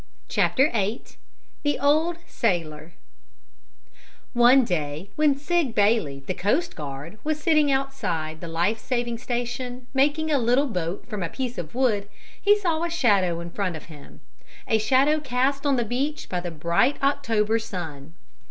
CHAPTER VIII THE OLD SAILOR One day, when Sig Bailey, the coast guard, was sitting outside the life saving station, making a little boat from a piece of wood, he saw a shadow in front of him a shadow cast on the beach by the bright October sun.